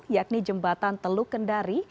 yakni jembatan teluk kendari